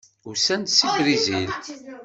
Usan-d seg Brizil.